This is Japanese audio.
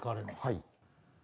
はい。